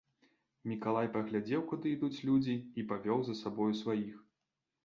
Мікалай паглядзеў, куды ідуць людзі, і павёў за сабою сваіх.